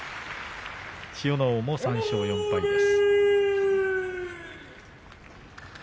千代ノ皇も３勝４敗です。